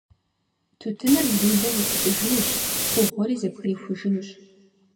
Тутыныр лулэм исыкӀыжынущ, Ӏугъуэри зэбгрихужынущ.